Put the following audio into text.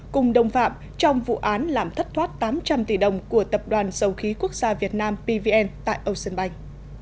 cùng đồng phạm trong vụ án làm thất thoát tám trăm linh tỷ đồng của tập đoàn dầu khí quốc gia việt nam pvn tại ocean bank